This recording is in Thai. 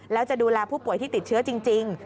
แล้วจะดูแลผู้ป่วยที่ติดเชื้อจริง